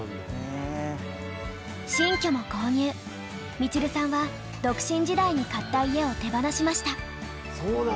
みちるさんは独身時代に買った家を手放しました。